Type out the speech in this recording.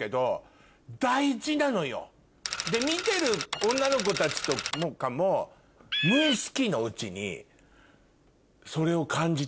見てる女の子たちとかも無意識のうちにそれを感じてるって